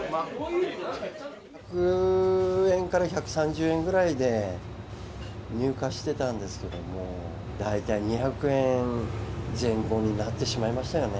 １００円から１３０円ぐらいで入荷してたんですけども、大体２００円前後になってしまいましたよね。